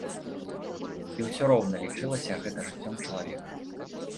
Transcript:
І ўсё роўна лічылася гэта жыццём чалавека.